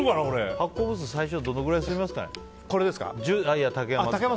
発行部数最初、どのくらい刷りますかね。